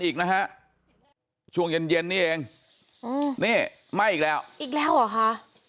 อีกนะฮะช่วงเย็นนี่เองไม่อีกแล้วอีกแล้วหรอค่ะ